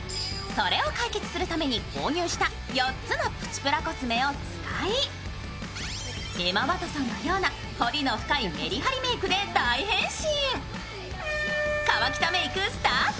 それを解決するために購入した４つのプチプラコスメを使いエマ・ワトソンのような彫りの深いメリハリメークで大変身。